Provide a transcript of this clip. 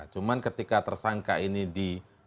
cuma ketika tersangka ini di